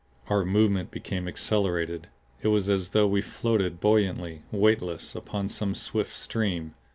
Our movement became accelerated. It was as though we floated buoyantly, weightless, upon some swift stream.